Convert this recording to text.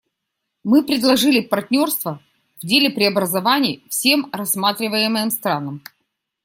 Мы предложили партнерство в деле преобразований всем рассматриваемым странам.